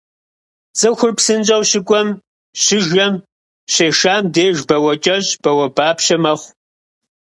Цӏыхур псынщӏэу щыкӏуэм, щыжэм, щешам деж бауэкӏэщ, бауэбапщэ мэхъу.